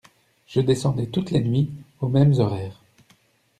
Je descendais toutes les nuits aux mêmes horaires.